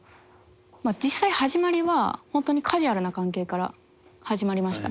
実際始まりは本当にカジュアルな関係から始まりました。